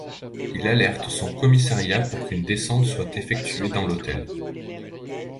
Il alerte son commissariat pour qu'une descente soit effectuée dans l'hôtel.